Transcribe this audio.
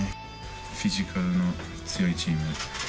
フィジカルの強いチーム。